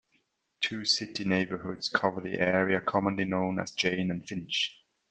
Two city neighbourhoods cover the area commonly known as "Jane and Finch".